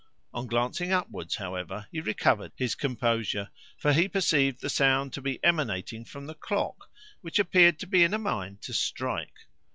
On glancing upwards, however, he recovered his composure, for he perceived the sound to be emanating from the clock, which appeared to be in a mind to strike.